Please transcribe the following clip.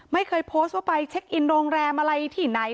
ไม่เคยโพสต์ว่าไปเช็คอินโรงแรมอะไรที่ไหน